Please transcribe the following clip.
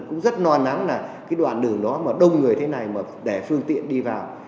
cũng rất lo lắng là cái đoạn đường đó mà đông người thế này mà để phương tiện đi vào